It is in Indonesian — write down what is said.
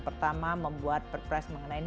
pertama membuat perpres mengenai